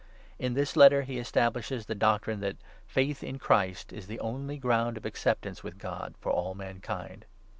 In this Letter he establishes the doctrine that faith in Christ is the only ground of acceptance with God for all mankind.